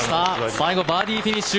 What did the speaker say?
最後バーディーフィニッシュ。